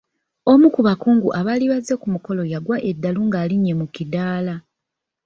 Omu ku bakungu abaali bazze ku mukolo yaggwa eddalu ng'alinnye mu kiddaala.